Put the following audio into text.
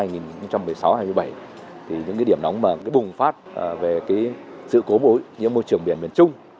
những điểm nóng bùng phát về sự cố bối những môi trường biển miền trung